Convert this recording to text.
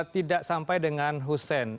tidak sampai dengan hussein